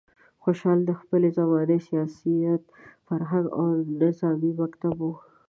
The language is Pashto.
خوشحال د خپلې زمانې سیاست، فرهنګ او نظامي مکتب و.